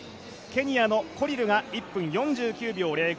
ケニアのコリルが１分４９秒０５。